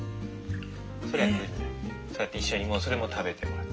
そうやって一緒にもうそれも食べてもらって。